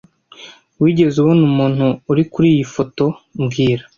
Wigeze ubona umuntu uri kuriyi foto mbwira